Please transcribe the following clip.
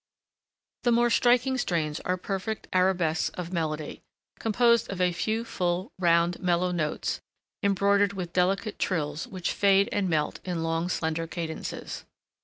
The more striking strains are perfect arabesques of melody, composed of a few full, round, mellow notes, embroidered with delicate trills which fade and melt in long slender cadences.